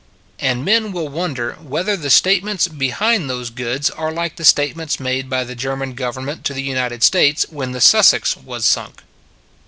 And men will wonder whether the state ments behind those goods are like the state ments made by the German government to the United States when the Sussex was sunk.